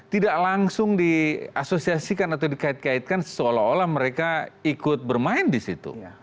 tidak langsung diasosiasikan atau dikait kaitkan seolah olah mereka ikut bermain di situ